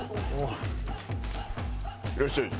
いらっしゃい。